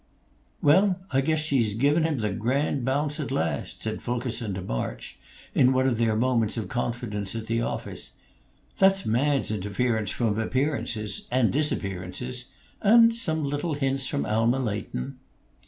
"Well, I guess she's given him the grand bounce at last," said Fulkerson to March in one of their moments of confidence at the office. "That's Mad's inference from appearances and disappearances; and some little hints from Alma Leighton."